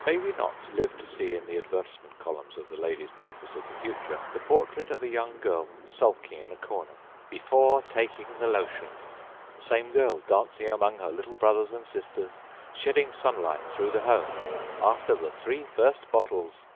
May we not live to see in the advertisement columns of the ladiesâ paper of the future the portrait of a young girl sulking in a cornerââBefore taking the lotion!â The same girl dancing among her little brothers and sisters, shedding sunlight through the homeââAfter the three first bottles!